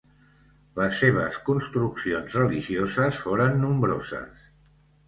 Les seves construccions religioses foren nombroses.